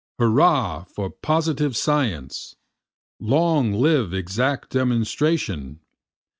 Hurrah for positive science! long live exact demonstration!